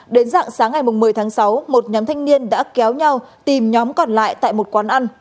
đến dạng sáng ngày một mươi tháng sáu một nhóm thanh niên đã kéo nhau tìm nhóm còn lại tại một quán ăn